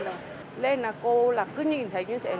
lên là cô cứ nhìn thấy như thế